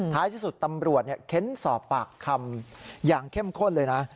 ที่สุดตำรวจเค้นสอบปากคำอย่างเข้มข้นเลยนะ